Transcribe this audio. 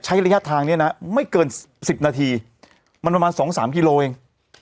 ใช้ระยะทางเนี้ยนะไม่เกินสิบนาทีมันประมาณสองสามกิโลเอง